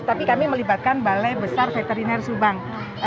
tapi kami melibatkan balai besar veteriner subang